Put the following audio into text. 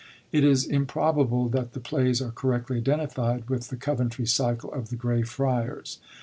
It is improbable that the plays are correctly identified witii the Coventry Cycle of the Grey Friars.